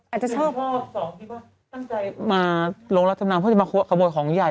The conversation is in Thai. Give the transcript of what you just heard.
อาจจะชอบชอบสองที่ว่าตั้งใจมาโรงรัฐสำนักเพื่อจะมาขโมยของใหญ่